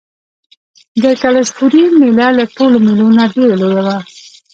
د کلشپورې مېله له ټولو مېلو نه ډېره لویه وه.